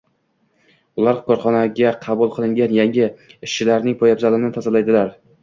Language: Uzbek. Ular korxonaga qabul qilingan yangi ishchilarning poyabzalini tozalaydilar.